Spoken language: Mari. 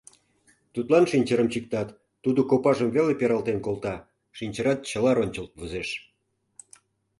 Тудлан шинчырым чиктат, тудо копажым веле пералтен колта — шинчырат чыла рончылт возеш.